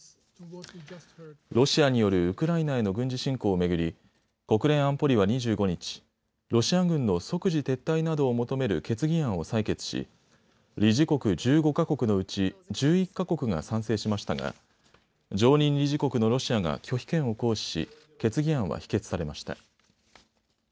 ロシアによるウクライナへの軍事侵攻を巡り国連安保理は２５日、ロシア軍の即時撤退などを求める決議案を採決し理事国１５か国のうち、１１か国が賛成しましたが常任理事国のロシアが拒否権を行使し決議案は否決されました。